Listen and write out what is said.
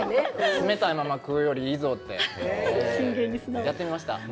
冷たいまま食うよりいいぞってやってみました。